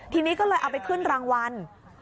ทีนี้ก็เลยเอาไปขึ้นรางวัล